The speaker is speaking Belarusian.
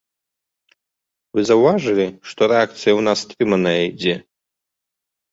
Вы заўважылі, што рэакцыя ў нас стрыманая ідзе?